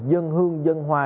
dân hương dân hoa